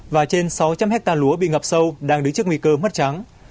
và trên sáu trăm linh hectare lúa bị ngập sâu đang đứng trước nguy cơ mất trắng